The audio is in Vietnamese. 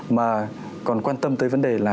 mà còn quan tâm tới vấn đề là